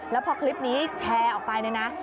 แล้วพอคลิปนี้แชร์ออกไปเนี่ยนะ